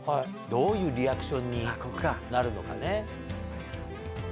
どういうリアクションになるのかね。